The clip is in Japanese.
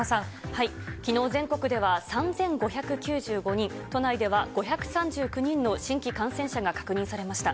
きのう、全国では３５９５人、都内では５３９人の新規感染者が確認されました。